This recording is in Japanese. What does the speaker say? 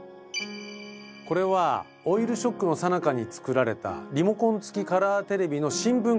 これはオイルショックのさなかに作られたリモコン付きカラーテレビの新聞広告です。